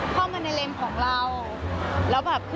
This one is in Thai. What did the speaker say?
เข้ามาในเร็งของเรา